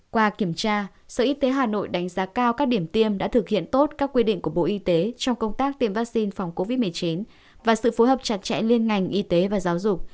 qua kiểm tra sở y tế hà nội đánh giá cao các điểm tiêm đã thực hiện tốt các quy định của bộ y tế trong công tác tiêm vaccine phòng covid một mươi chín và sự phối hợp chặt chẽ liên ngành y tế và giáo dục